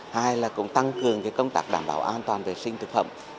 hai là cũng tăng cường công tác đảm bảo an toàn vệ sinh thực phẩm